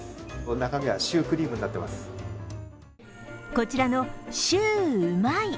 こちらのシューうまい。